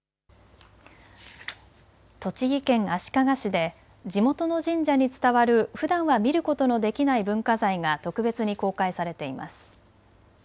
栃木県足利市で地元の神社に伝わる、ふだんは見ることのできない文化財が特別に公開されています。